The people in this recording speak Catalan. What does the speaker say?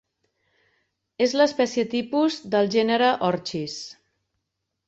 És l'espècie tipus del gènere Orchis.